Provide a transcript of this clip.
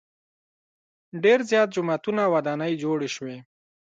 ډېر زیات جوماتونه او ودانۍ جوړې شوې.